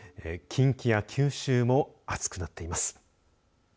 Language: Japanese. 近畿や九州も暑くなっています。